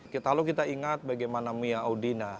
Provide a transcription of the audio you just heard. kalau kita ingat bagaimana mia audina